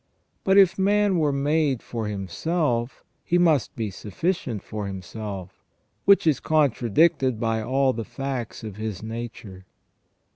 But if man were made for himself, he must be sufficient for himself, which is contradicted by all the facts of his nature.